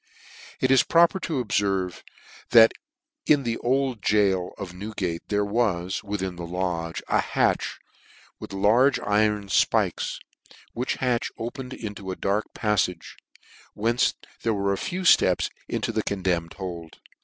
It is proper to obferve that in the old goal of Newgate there was, within the lodge, a hatch, with large iron fpikes, which hatch opened into a dark paffage, whence there were a few iteps into the condemned hold.